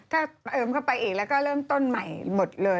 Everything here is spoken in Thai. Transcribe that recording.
ก็เติมเข้าไปอีกแล้วก็เริ่มต้นใหม่หมดเลย